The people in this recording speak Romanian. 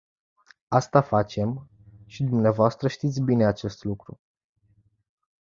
Asta facem, și dvs. știți bine acest lucru.